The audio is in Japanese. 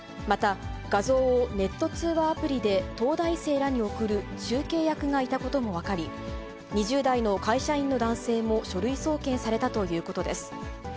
また画像をネット通話アプリで東大生らに送る中継役がいたことも分かり、２０代の会社員の男性も書類送検されたということです。